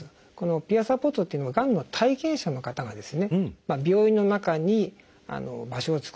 ピアサポートというのはがんの体験者の方が病院の中に場所を作ってですね